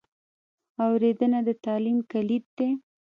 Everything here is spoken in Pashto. اورېدنه د تعلیم کلید دی.